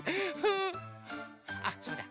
あっそうだ。